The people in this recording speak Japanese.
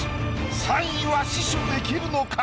３位は死守できるのか？